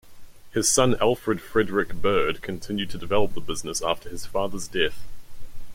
His son Alfred Frederick Bird continued to develop the business after his father's death.